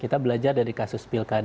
kita belajar dari kasus pilkada